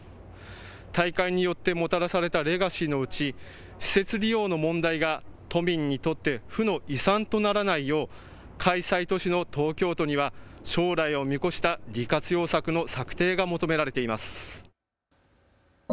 大会によってもたらされたレガシーのうち施設利用の問題が都民にとって負の遺産とならないよう開催都市の東京都には将来を見越した利活用策の策定が求められています。